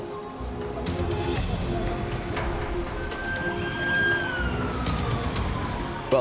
pemilikan bus yang diambil di puslan